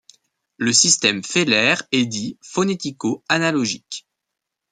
Le système Feller est dit phonético-analogique.